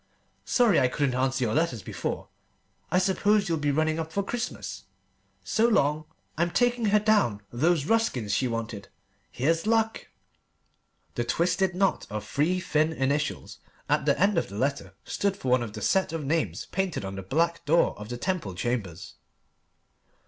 Sorry I couldn't answer your letter before. I suppose you'll be running up for Christmas! So long! I'm taking her down those Ruskins she wanted. Here's luck!" The twisted knot of three thin initials at the end of the letter stood for one of the set of names painted on the black door of the Temple Chambers.